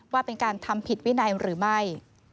ว่าเป็นการทำผิดวินัยหรือไม่